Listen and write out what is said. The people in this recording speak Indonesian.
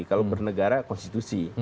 kalau bernegara konstitusi